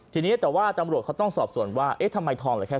ทีนี้แต่ว่าตำรวจเขาต้องสอบส่วนว่าเอ๊ะทำไมทองเหลือแค่